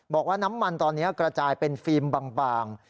บอกว่าน้ำมันตอนนี้กระจายเป็นฟิล์มบาง